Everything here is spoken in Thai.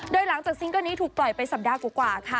โดยหลังจากซิงเกิ้ลนี้ถูกปล่อยไปสัปดาห์กว่าค่ะ